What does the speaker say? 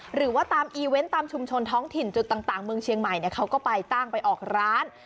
หรือว่าตามอีเวนต์ตามชุมชนท้องถิ่นจุดต่างเมืองเชียงใหม่เขาก็ไปตั้งไปออกร้าน